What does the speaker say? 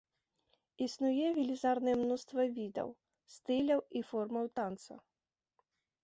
Існуе велізарнае мноства відаў, стыляў і формаў танца.